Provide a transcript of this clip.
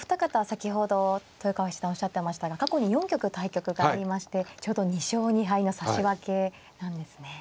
先ほど豊川七段おっしゃってましたが過去に４局対局がありましてちょうど２勝２敗の指し分けなんですね。